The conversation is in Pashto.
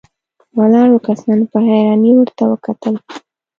ولاړو کسانو په حيرانۍ ورته وکتل.